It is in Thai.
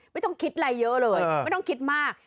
ไม่ต้องคิดอะไรเยอะเลยไม่ต้องคิดมาก